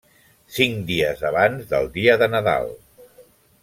Cinc dies abans del dia de Nadal.